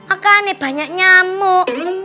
akan banyak nyamuk